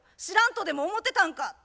知らんとでも思うてたんか？」